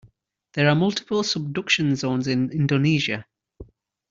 There are multiple subduction zones in Indonesia.